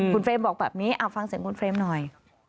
คุณเฟรมบอกแบบนี้ฟังเสียงคุณเฟรมหน่อย